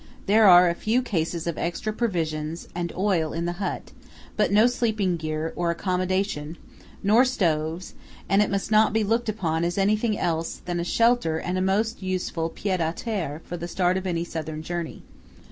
There are a few cases of extra provisions and oil in the hut, but no sleeping gear, or accommodation, nor stoves, and it must not be looked upon as anything else than a shelter and a most useful pied à terre for the start of any Southern journey.